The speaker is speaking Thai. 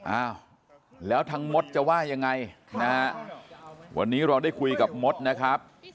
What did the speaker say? อ้าวแล้วทั้งมดจะว่ายังไงนะฮะวันนี้เราได้คุยกับมดนะครับ